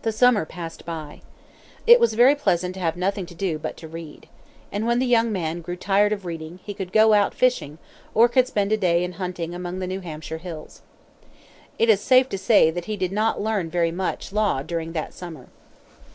The summer passed by. It was very pleasant to have nothing to do but to read. And when the young man grew tired of reading, he could go out fishing, or could spend a day in hunting among the New Hampshire hills. It is safe to say that he did not learn very much law during that summer.